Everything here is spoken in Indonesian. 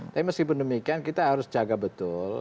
tapi meskipun demikian kita harus jaga betul